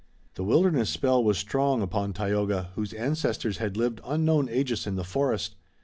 The wilderness spell was strong upon Tayoga, whose ancestors had lived unknown ages in the forest.